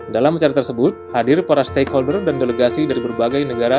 dalam acara tersebut hadir para stakeholder dan delegasi dari berbagai negara